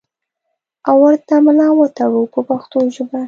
او ورته ملا وتړو په پښتو ژبه.